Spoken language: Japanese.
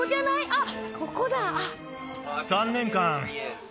あっここだ！